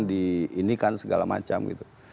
diinikan segala macam gitu